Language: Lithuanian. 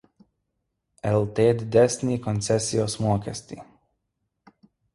Lt didesnį koncesijos mokestį.